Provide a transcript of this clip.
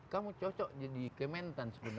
kamu cocok jadi kementan sebenarnya